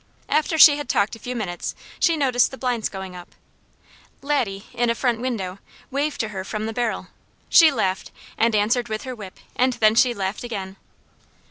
After she had talked a few minutes she noticed the blinds going up. Laddie, in a front window, waved to her from the barrel. She laughed and answered with her whip, and then she laughed again.